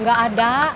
isi dia di bamm